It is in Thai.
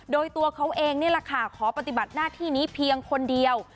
โดยตัวเขาเองนี่แหละค่ะขอปฏิบัติหน้าที่นี้เพียงคนเดียว